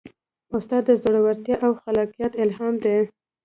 استاد د زړورتیا او خلاقیت الهام دی.